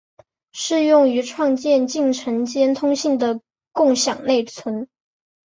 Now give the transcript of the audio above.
适用于创建进程间通信的共享内存。